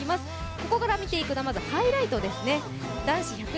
ここから見ていくのは、まずはハイライトです。